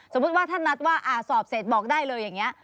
สมมุติว่าท่านนัดว่าสอบเสร็จบอกได้เลยอย่างนี้